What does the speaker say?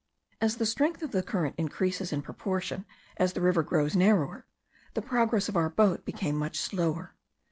As the strength of the current increases in proportion as the river grows narrower, the progress of our boat became much slower.